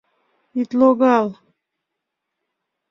— Ит логал...